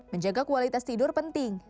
menjaga kualitas tidur penting